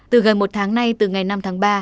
từ gần một tháng nay từ ngày năm tháng ba